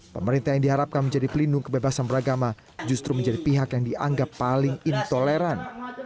pemerintah yang diharapkan menjadi pelindung kebebasan beragama justru menjadi pihak yang dianggap paling intoleran